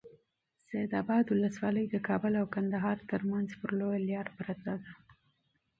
سید اباد ولسوالي د کابل او کندهار ترمنځ پر لویه لاره پرته ده.